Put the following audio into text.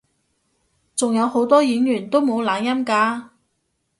仲有好多演員都冇懶音㗎